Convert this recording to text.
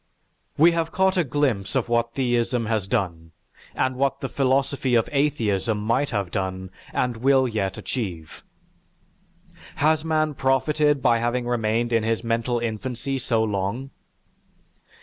We have caught a glimpse of what theism has done, and what the philosophy of atheism might have done, and will yet achieve. Has man profited by having remained in his mental infancy so long?